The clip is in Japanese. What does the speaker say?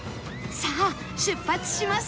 さあ出発しますよ